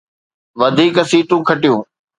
وڌيڪ سيٽون کٽيون